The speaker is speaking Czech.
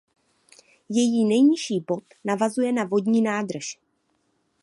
Její nejnižší bod navazuje na vodní nádrž.